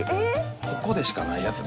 ここでしかないやつ